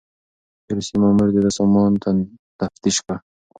د روسيې مامور د ده سامان تفتيش کړ.